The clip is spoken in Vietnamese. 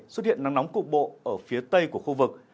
xuất hiện nắng nóng cục bộ ở phía tây của khu vực